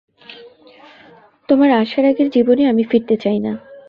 তোমার আসার আগের জীবনে আমি ফিরতে চাই না।